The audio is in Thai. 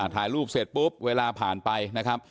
ถ่ายรูปเสร็จปุ๊บเวลาผ่านไปนะครับ